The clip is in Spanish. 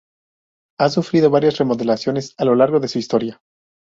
Ha sufrido varias remodelaciones a lo largo de su historia.